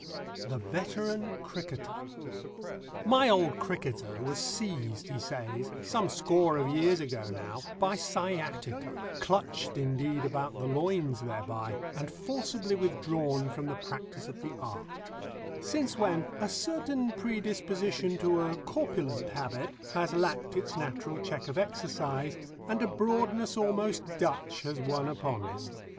THE VETERAN CRICKETER My old cricketer was seized, he says, some score of years ago now, by sciatica, clutched indeed about the loins thereby, and forcibly withdrawn from the practice of the art; since when a certain predisposition to a corpulent habit has lacked its natural check of exercise, and a broadness almost Dutch has won upon him.